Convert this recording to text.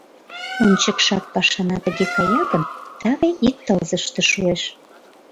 Ончыкшат пашана тыге кая гын, таве ик тылзыште шуэш.